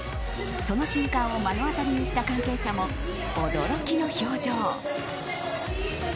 その瞬間を目の当りにした関係者も驚きの表情。